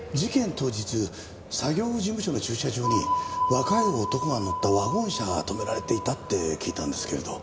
当日作業事務所の駐車場に若い男が乗ったワゴン車が止められていたって聞いたんですけれど。